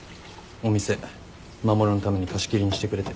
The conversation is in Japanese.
お店守のために貸し切りにしてくれて。